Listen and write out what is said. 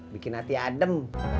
bikin hati adem